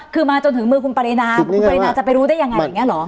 คือมาจนถึงมือคุณปรินาคุณปรินาจะไปรู้ได้ยังไงอย่างนี้เหรอ